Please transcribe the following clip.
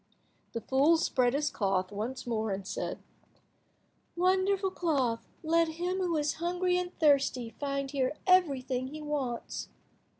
The fool spread his cloth once more, and said— "Wonderful cloth, let him who is hungry and thirsty find here everything he wants."